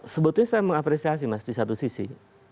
sebetulnya saya mengapresiasi mas di satu sisi